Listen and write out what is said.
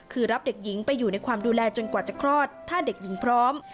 คือรับเด็กหญิงไปอยู่ในความดูแลจนกว่าจะคลอดถ้าเด็กหญิงพร้อม